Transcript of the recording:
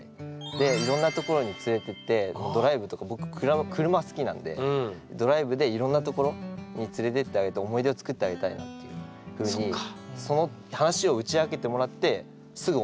でいろんな所に連れてってドライブとか僕車好きなんでドライブでいろんな所に連れてってあげて思い出ををつくってあげたいなっていうふうにその話を打ち明けてもらってすぐ思いました。